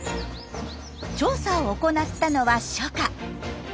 調査を行ったのは初夏。